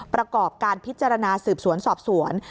ประกอบการพิจารณาสืบสวนสอบสวน